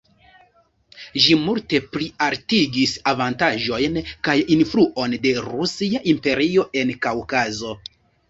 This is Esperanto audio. Ĝi multe plialtigis avantaĝojn kaj influon de Rusia Imperio en Kaŭkazo.